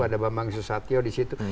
ada bambang susatyo di situ